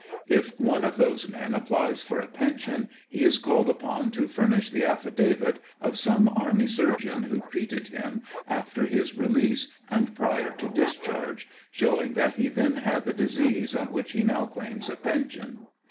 If one of those men applies for a pension, he is called upon to fur nish the affidavit of some army surgeon who treated him after his release and prior to discharge, showing that he then had the disease on which he now claims a pension.